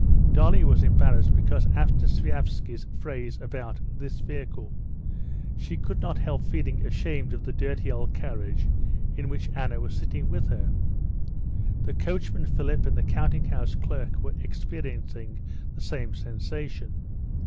Dolly was embarrassed because after Sviazhsky's phrase about "this vehicle," she could not help feeling ashamed of the dirty old carriage in which Anna was sitting with her. The coachman Philip and the counting house clerk were experiencing the same sensation.